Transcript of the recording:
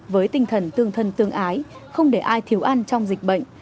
với tinh thần tương thân tương ái không để ai thiếu ăn trong dịch bệnh